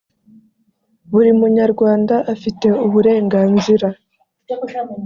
buri munyarwanda afite uburenganzira.